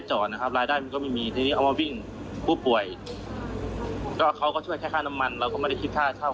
ช่วงล่างมีปัญหาลูกปืนมีปัญหา